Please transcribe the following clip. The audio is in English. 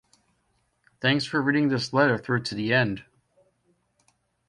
Thanks for reading this letter through to the end.